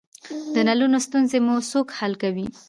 د نلونو ستونزې مو څوک حل کوی؟